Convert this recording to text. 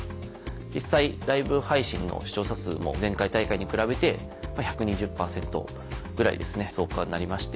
実際ライブ配信の視聴者数も前回大会に比べて１２０％ぐらい増加になりまして。